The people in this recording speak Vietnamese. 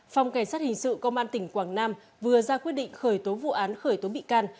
phòng cảnh sát hình sự công an tỉnh quảng nam vừa ra quyết định khởi tố vụ án khởi tố bị can